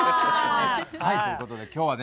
はいということで今日はね